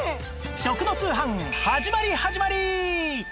食の通販始まり始まり！